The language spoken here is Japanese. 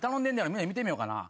みんなの見てみようかな。